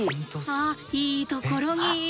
あっいいところに。